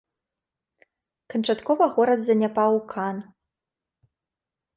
Канчаткова горад заняпаў у кан.